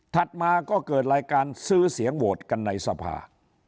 มาก็เกิดรายการซื้อเสียงโหวตกันในสภา